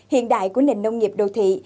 hiện đại của nền nông nghiệp đô thị